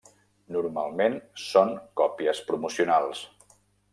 Normalment són còpies promocionals.